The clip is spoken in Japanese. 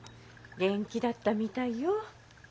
元気だったみたいよ。